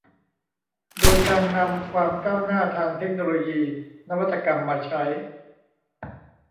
โดยการนำความก้าวหน้าทางเทคโนโลยี นวัตกรรมมาใช้